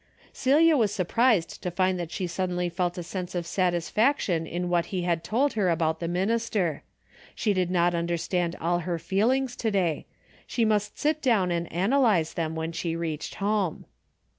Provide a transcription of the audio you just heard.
Celia was surprised to find that she suddenly felt a sense of satisfaction in what he had told her about the minister. She did not under stand all her feelings to day. She must sit down and analyze them when she reached home.